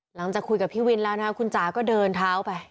หลังจากคุยกับพี่วินแล้วนะคุณจ๋าก็เดินเท้าไป